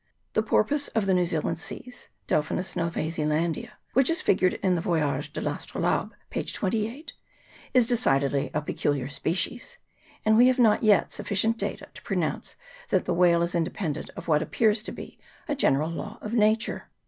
The por poise of the New Zealand seas (Delphinus Novae Zelandise), which is figured in the 'Voyage de 1' Astrolabe,' plate 28, is decidedly a peculiar species ; and we have not yet sufficient data to pronounce that the whale is independent of what appears to be a general law of nature.